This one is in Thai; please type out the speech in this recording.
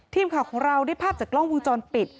ทีมข่าวของเราได้ภาพจากกล้องวงจรปิด